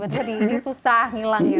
jadi ini susah ngilang